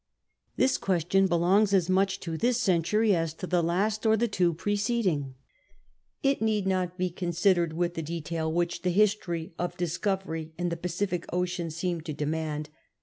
This ({uestion belongs as much to this century as to the last or tlie two preceding. It need not be con sidered with tlie dctiiil which the history of discovery in the Pacific Ocean seemed to demand.